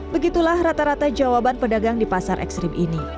begitulah rata rata jawaban pedagang di pasar ekstrim ini